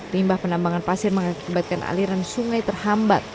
limbah penambangan pasir mengakibatkan aliran sungai terhambat